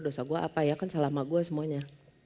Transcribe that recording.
dosa gue apa ya kan salah sama gue semuanya